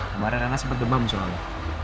kemarin anak sempat demam soalnya